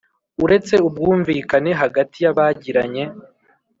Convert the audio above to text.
Uretse ubwumvikane hagati y abagiranye